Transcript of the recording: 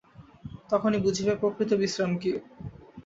তখনই বুঝিবে, প্রকৃত বিশ্রাম কি।